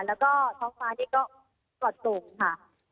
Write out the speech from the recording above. แล้วก็ท้องฟ้านี่ก็ตกตกค่ะ